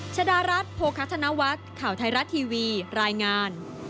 ชดารัฐโภคธนวัฒน์ข่าวไทยรัฐทีวีรายงาน